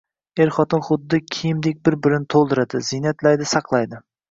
Er-xotin xuddi kiyimdek bir-birini to‘ldiradi, ziynatlaydi, saqlaydi.